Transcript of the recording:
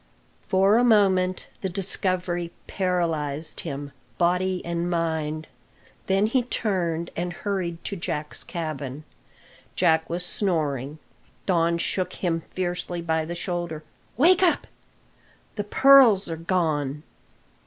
For a moment the discovery paralysed him, body and mind. Then he turned and hurried to Jack's cabin. Jack was snoring. Don shook him fiercely by the shoulder. "Wake up! The pearls are gone!"